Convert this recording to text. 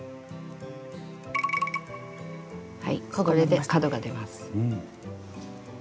はいこれで角が出ます。